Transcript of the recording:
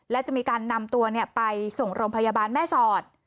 และจะมีการนำตัวไปส่งโรงพยาบาลแม่สอด